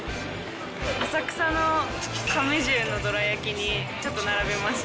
浅草の亀十のどら焼きにちょっと並びました。